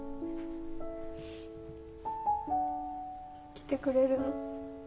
来てくれるの？